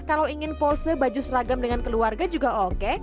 kalau ingin pose baju seragam dengan keluarga juga oke